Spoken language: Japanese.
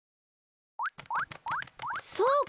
そうか！